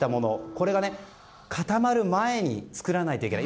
これが、固まる前に作らないといけない。